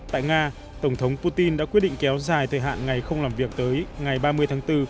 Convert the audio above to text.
tại nga tổng thống putin đã quyết định kéo dài thời hạn ngày không làm việc tới ngày ba mươi tháng bốn